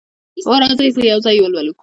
هو، راځئ یو ځای یی لولو